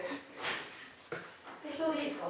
適当でいいですか？